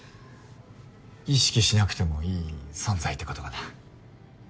意識しなくてもいい存在ってことかな。